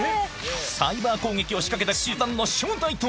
サイバー攻撃を仕掛けた集団の正体とは？